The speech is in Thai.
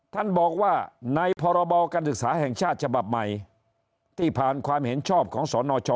ท่านบอกว่าในพรบการศึกษาแห่งชาติฉบับใหม่ที่ผ่านความเห็นชอบของสนช